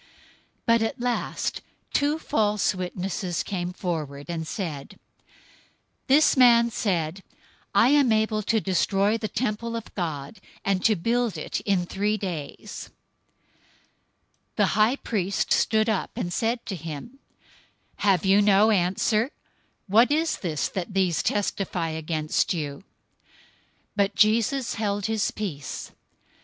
But at last two false witnesses came forward, 026:061 and said, "This man said, 'I am able to destroy the temple of God, and to build it in three days.'" 026:062 The high priest stood up, and said to him, "Have you no answer? What is this that these testify against you?" 026:063 But Jesus held his peace.